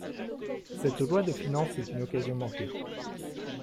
Cette loi de finances est une occasion manquée.